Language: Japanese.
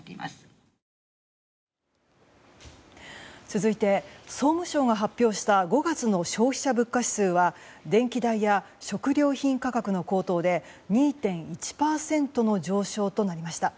続いて総務省が発表した５月の消費者物価指数は電気代や食料品価格の高騰で２．１％の上昇となりました。